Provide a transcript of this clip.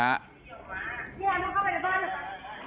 พี่แฮมเข้าไปบ้านเลย